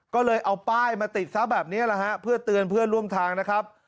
ก็เลยเอาป้ายมาติดซะแบบนี้แหละฮะเพื่อเตือนเพื่อนร่วมทางนะครับ